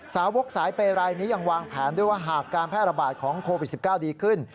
สาวกสายเปย์รายนี้ยังวางแผนด้วยว่าหากการแพร่ระบาดของโควิด๑๙ดีขึ้น